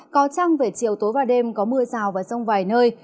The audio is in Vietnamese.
có trăng về chiều tối và đêm có mưa rào và rông vài nơi